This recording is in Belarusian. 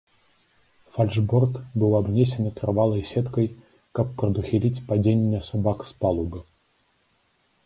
Фальшборт быў абнесены трывалай сеткай, каб прадухіліць падзенне сабак з палубы.